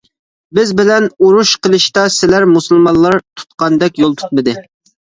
بىز بىلەن ئۇرۇش قىلىشتا سىلەر مۇسۇلمانلار تۇتقاندەك يول تۇتمىدى.